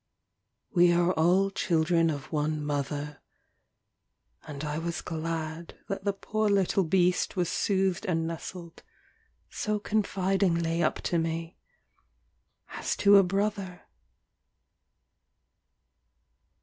We are all children of one mother, and I was glad that the poor little beast was soothed and nestled so confidingly up to me, as to a brother.